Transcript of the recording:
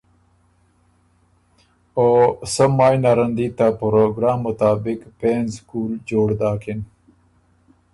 او سۀ مایٛ نرن دی ته پروګرام مطابق پېنځ کُول جوړ داکِن۔